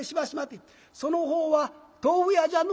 その方は豆腐屋じゃの？」。